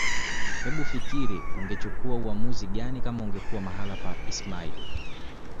Hebufikiri ungechukua uamuzi gani kama ungekuwa mahala pa ismail